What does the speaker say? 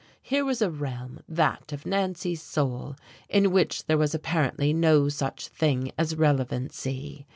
Here was a realm, that of Nancy's soul, in which there was apparently no such thing as relevancy.